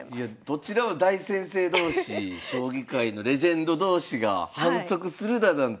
どちらも大先生同士将棋界のレジェンド同士が反則するだなんて。